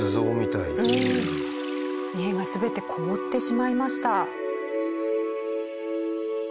家が全て凍ってしまいました。